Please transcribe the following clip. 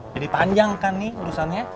jadi panjang kan nih urusannya